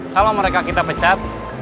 kalau mereka kita pecat